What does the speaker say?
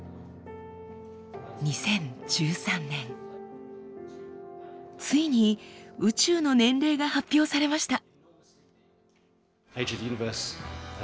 ２０１３年ついに宇宙の年齢が発表されました。